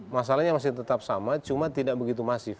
masalahnya masih tetap sama cuma tidak begitu masif